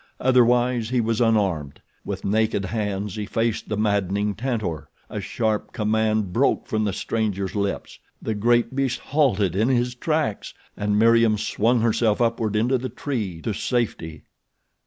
Otherwise he was unarmed. With naked hands he faced the maddening Tantor. A sharp command broke from the stranger's lips—the great beast halted in his tracks—and Meriem swung herself upward into the tree to safety.